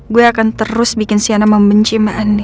gue akan terus bikin sienna membenci mbak andin